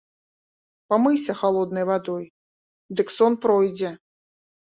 Памыйся халоднай вадой, дык сон пройдзе.